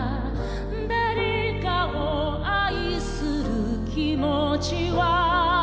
「誰かを愛する気持ちは」